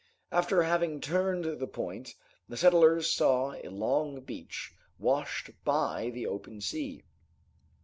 After having turned the point, the settlers saw a long beach washed by the open sea.